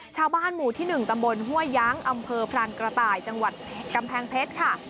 ชาวบ้านหมู่ที่๑ตำบลห้วยย้างอำเภอพรานกระต่ายจังหวัดกำแพงเพชรค่ะ